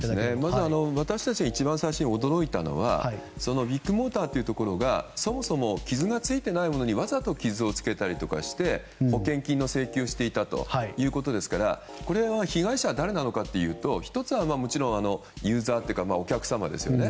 まず私たちが一番最初に驚いたのはビッグモーターというところがそもそも傷がついていないものにわざと傷をつけたりとかして保険金の請求をしていたということですから被害者は誰なのかというと１つはもちろん、ユーザーというかお客様ですよね。